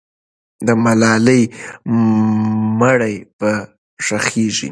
د ملالۍ مړی به ښخېږي.